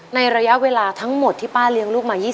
ในระยะเวลาทั้งหมดที่ป้าเลี้ยงลูกมา๒๐